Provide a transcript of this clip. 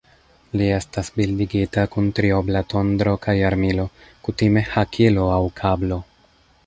Li estas bildigita kun triobla tondro kaj armilo, kutime hakilo aŭ kablo.